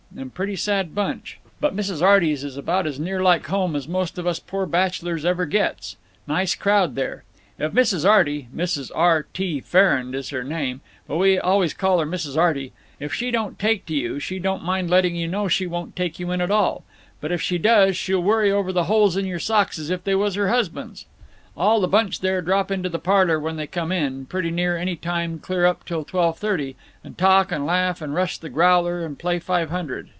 And pretty sad bunch. But Mrs. Arty's is about as near like home as most of us poor bachelors ever gets. Nice crowd there. If Mrs. Arty—Mrs. R. T. Ferrard is her name, but we always call her Mrs. Arty—if she don't take to you she don't mind letting you know she won't take you in at all; but if she does she'll worry over the holes in your socks as if they was her husband's. All the bunch there drop into the parlor when they come in, pretty near any time clear up till twelve thirty, and talk and laugh and rush the growler and play Five Hundred.